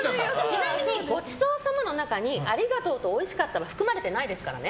ちなみに、ごちそうさまの中にありがとうと、おいしかったは含まれてないですからね。